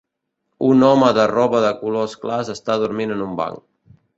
Un home de roba de colors clars està dormint en un banc.